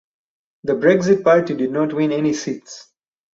The Brexit Party did not win any seats.